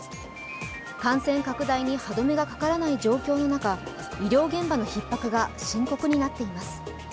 感染拡大に歯止めがかからない状況の中医療現場のひっ迫が深刻になっています。